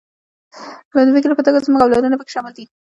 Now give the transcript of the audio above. د بېلګې په توګه زموږ اولادونه پکې شامل دي.